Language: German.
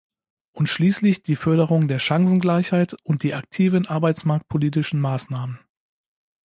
Und schließlich die Förderung der Chancengleichheit und die aktiven arbeitsmarktpolitischen Maßnahmen.